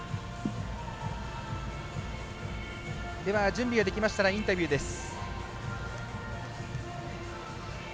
準備ができましたらインタビューです。